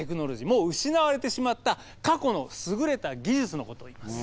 もう失われてしまった過去の優れた技術のことをいいます。